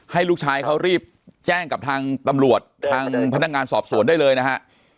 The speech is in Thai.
ให้ลูกชายเขารีบแจ้งกับทางตำรวจทางพนักงานสอบสวนได้เลยนะฮะ